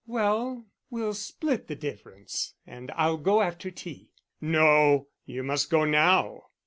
"Well, we'll split the difference and I'll go after tea." "No, you must go now."